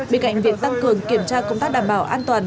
bên cạnh việc tăng cường kiểm tra công tác đảm bảo an toàn